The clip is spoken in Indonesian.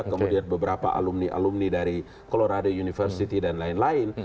kemudian beberapa alumni alumni dari colorade university dan lain lain